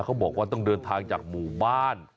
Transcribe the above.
เขาบอกว่าต้องเดินทางจากหมู่บ้าน